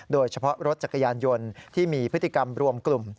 โดยเฉพาะรถจักรยานยนต์ที่มีพฤติกรรมรวมกลุ่ม